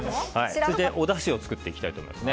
おだしを作っていきたいと思います。